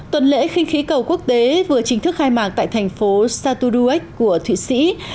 tuần lễ kinh khí cầu quốc tế vừa chính thức khai mạc tại thành phố saturduek của thụy sĩ